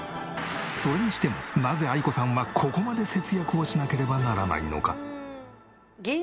それにしてもなぜあいこさんはここまで節約をしなければならないのか？